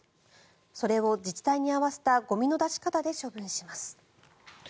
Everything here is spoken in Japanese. それを自治体に合わせたゴミの出し方で処分します。